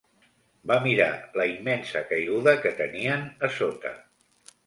Va mirar la immensa caiguda que tenien a sota.